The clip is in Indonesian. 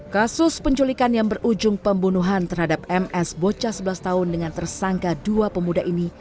kasus penculikan yang berujung pembunuhan terhadap ms bocah sebelas tahun dengan tersangka dua pemuda ini